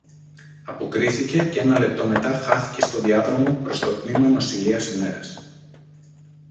αποκρίθηκε και ένα λεπτό μετά χάθηκε στο διάδρομο προς το τμήμα νοσηλείας ημέρας